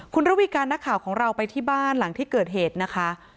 คุณระวีการนักข่าวของเราไปที่บ้านหลังที่เกิดเหตุนะคะ